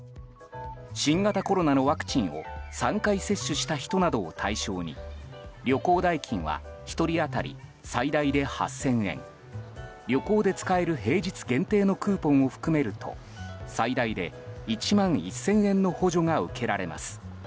新型コロナのワクチンを３回接種した人などを対象に旅行代金は１人当たり最大で８０００円旅行で使える平日限定のクーポンを含めると最大で１万１０００円の補助が受けられます。